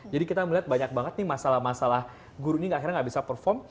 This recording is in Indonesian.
jadi kita melihat banyak banget nih masalah masalah guru ini akhirnya nggak bisa perform